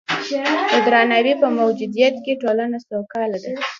د درناوي په موجودیت کې ټولنه سوکاله ده.